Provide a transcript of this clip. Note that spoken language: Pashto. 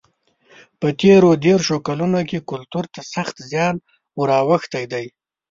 په تېرو دېرشو کلونو کې کلتور ته سخت زیان ور اوښتی دی.